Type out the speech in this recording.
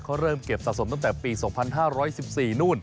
เขาเริ่มเก็บสะสมตั้งแต่ปี๒๕๑๔นู่น